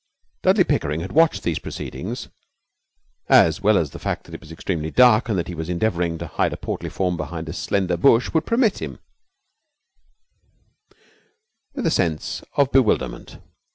Dudley Pickering had watched these proceedings as well as the fact that it was extremely dark and that he was endeavouring to hide a portly form behind a slender bush would permit him with a sense of bewilderment.